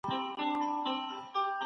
تاسو د موسسو او بنسټونو واک ته وګورئ.